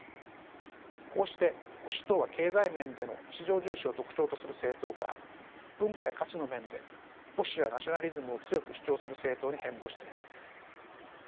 こうして保守党は経済面での市場重視を特徴とする政党から文化や価値の面で保守やナショナリズムを強く主張する政党に変貌しています。